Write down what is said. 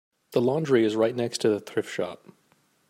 The laundry is right next to the thrift shop.